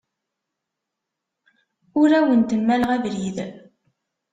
Ur awent-mmaleɣ abrid.